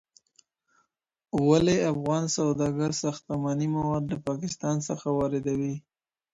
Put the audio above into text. ولي افغان سوداګر ساختماني مواد له پاکستان څخه واردوي؟